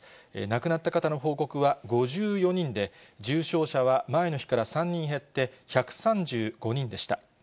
亡くなった方の報告は５４人で、重症者は前の日から３人減って、１３５人でした。